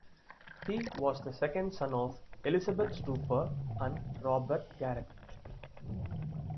He was the second son of Elizabeth Stouffer and Robert Garrett.